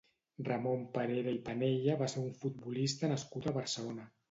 Ramon Parera i Penella va ser un futbolista nascut a Barcelona.